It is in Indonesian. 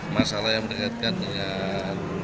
masalah yang dikatakan dengan